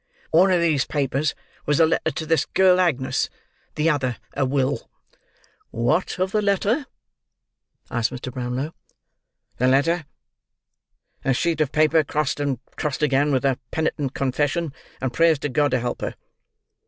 One of these papers was a letter to this girl Agnes; the other a will." "What of the letter?" asked Mr. Brownlow. "The letter?—A sheet of paper crossed and crossed again, with a penitent confession, and prayers to God to help her.